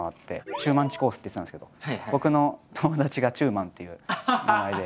「中馬ちコース」って言ってたんですけど僕の友達が「中馬」っていう名前で。